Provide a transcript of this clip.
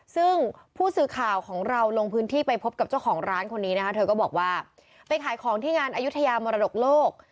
ซึ่งผู้สื่อข่าวของเราลงพื้นที่ไปพบกับเจ้าของร้านคนนี้นะคะเธอก็บอกว่าไปขายของที่งานอายุทยามรดกโลก